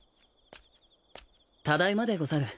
ただいまでござる。